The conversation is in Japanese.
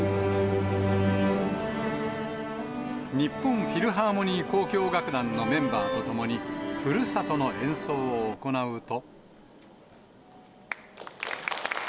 日本フィルハーモニー交響楽団のメンバーと共に、ふるさとの演奏を行うと。